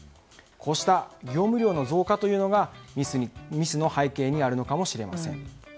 こうした業務量の増加というのがミスの背景にあるのかもしれません。